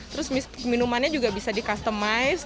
terus minumannya juga bisa di customize